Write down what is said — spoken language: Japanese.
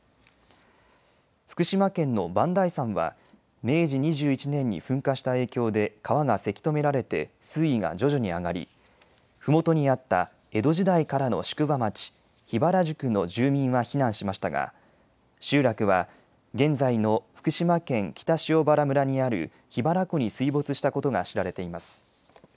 福島県の磐梯山は明治２１年に噴火した影響で川がせき止められて水位が徐々に上がりふもとにあった江戸時代からの宿場町、桧原宿の住民は避難しましたが集落は現在の福島県北塩原村にある桧原湖に水没したことが知られています。